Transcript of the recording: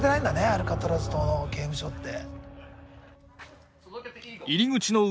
アルカトラズ島の刑務所って。